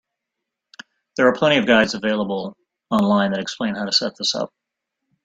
There are plenty of guides available online that explain how to set this up.